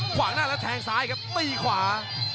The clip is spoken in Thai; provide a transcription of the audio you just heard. ขวางหน้าแล้วแทงซ้ายครับตีขวา